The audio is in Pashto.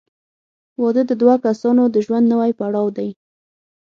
• واده د دوه کسانو د ژوند نوی پړاو دی.